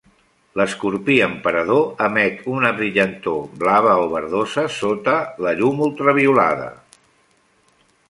L'escorpí emperador emet un brillantor blava o verdosa sota la llum ultraviolada.